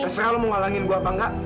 terserah lo mau ngalangin gue apa enggak